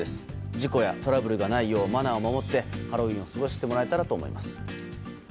事故やトラブルがないようマナーを守ってハロウィーンを過ごしてもらえたらと思います。